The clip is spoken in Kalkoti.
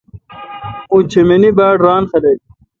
اوں چمینی باڑران خلق۔